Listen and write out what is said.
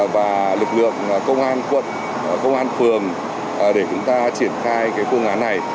và lực lượng công an quận công an phường để chúng ta triển khai phương án này